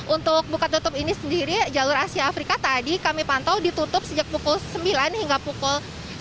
untuk buka tutup ini sendiri jalur asia afrika tadi kami pantau ditutup sejak pukul sembilan hingga pukul sepuluh